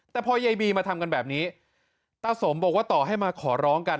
แต่พอยายบีมาทำกันแบบนี้ตาสมบอกว่าต่อให้มาขอร้องกัน